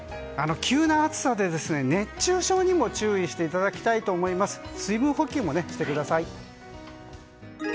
急な暑さで、熱中症にも注意していただきたいと思います。